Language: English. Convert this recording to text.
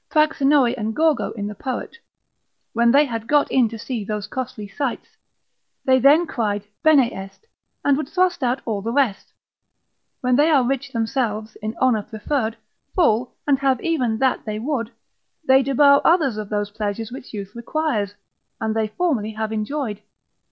Praxinoe and Gorgo in the poet, when they had got in to see those costly sights, they then cried bene est, and would thrust out all the rest: when they are rich themselves, in honour, preferred, full, and have even that they would, they debar others of those pleasures which youth requires, and they formerly have enjoyed.